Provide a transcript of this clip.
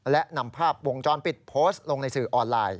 และนำภาพวงจรปิดโพสต์ลงในสื่อออนไลน์